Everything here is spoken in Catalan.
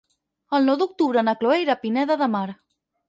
El nou d'octubre na Cloè irà a Pineda de Mar.